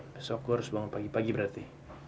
besok gue harus bangun pagi pagi berarti